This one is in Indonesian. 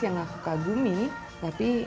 yang aku kagumi tapi